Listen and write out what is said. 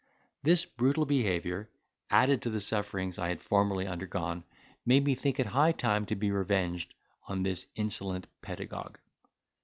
This brutal behaviour, added to the sufferings I had formerly undergone made me think it high time to be revenged on this insolent pedagogue.